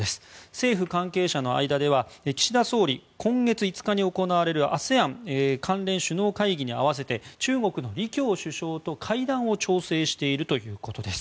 政府関係者の間では岸田総理、今月５日に行われるＡＳＥＡＮ関連首脳会議に合わせて中国の李強首相と会談を調整しているということです。